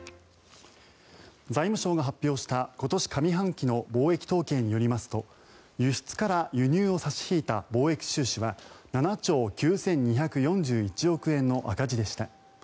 財務省が発表した今年上半期の貿易統計によりますと輸出から輸入を差し引いた貿易収支は７兆９２４１億円の赤字でした。